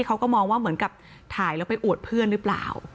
เขาก็มองว่าเหมือนกับถ่ายแล้วไปอวดเพื่อนหรือเปล่า